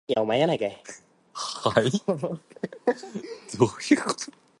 鉄道の乗り場は地下一階です。